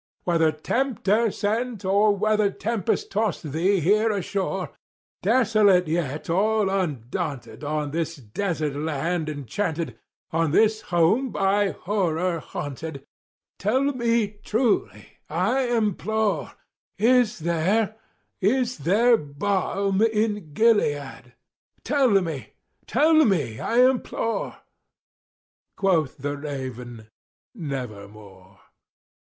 — Whether Tempter sent, or whether tempest tossed thee here ashore, Desolate yet all undaunted, on this desert land enchanted— On this home by Horror haunted—tell me truly, I implore— Is there—is there balm in Gilead?—tell me—tell me, I implore!" Quoth the raven, "Nevermore."